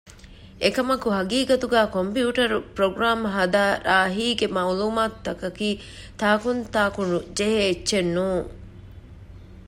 އެކަމަކު ޙަޤީޤަތުގައި ކޮމްޕިއުޓަރު ޕްރޮގްރާމުން ހަދާ ރާހީގެ މަޢުލޫމާތު ތަކަކީ ތާނކުންތާކު ޖެހޭ އެއްޗެއް ނޫން